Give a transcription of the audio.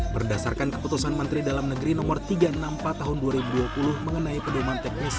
berdasarkan keputusan menteri dalam negeri nomor tiga puluh enam tahun dua ribu dua puluh mengenai pendorongan teknis